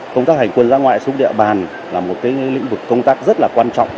công tác hành quân giã ngoại xuống địa bàn là một lĩnh vực công tác rất là quan trọng